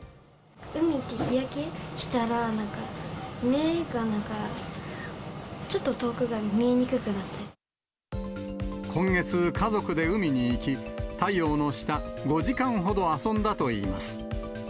海行って日焼けしたら、なんか、目がなんか、今月、家族で海に行き、太陽の下、５時間ほど遊んだといいます。